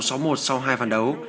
sau hai phản đấu